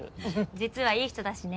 実はいい人だしね。